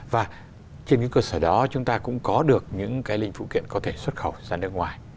và trên những cơ sở đó chúng ta cũng có được những cái linh phụ kiện có thể xuất khẩu ra nước ngoài